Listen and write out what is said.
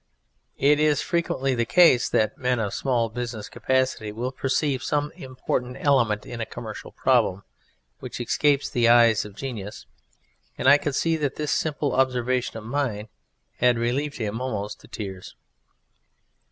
It is frequently the case that men of small business capacity will perceive some important element in a commercial problem which escapes the eyes of Genius; and I could see that this simple observation of mine had relieved him almost to tears.